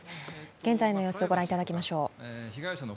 現在の様子をご覧いただきましょう。